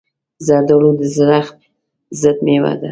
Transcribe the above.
زردالو د زړښت ضد مېوه ده.